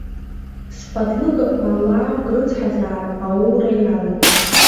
Сԥаҭлыкақәа алаапк рыцҳазаап, ауура иалагеит.